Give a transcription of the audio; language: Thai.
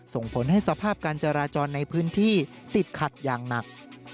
ส่งผลให้สภาพการจราจรในพื้นที่ติดขัดอย่างหนัก